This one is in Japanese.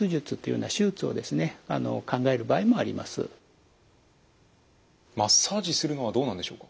万一マッサージするのはどうなんでしょうか？